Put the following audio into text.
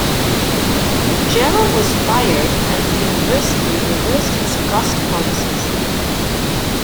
Gell was fired, and the university reversed his cost policies.